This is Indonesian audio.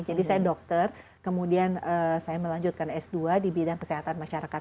jadi saya dokter kemudian saya melanjutkan s dua di bidang kesehatan masyarakat